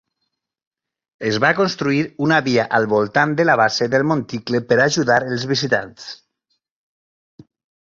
Es va construir una via al voltant de la base del monticle per ajudar els visitants.